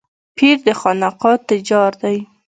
پير د خانقاه تجار دی.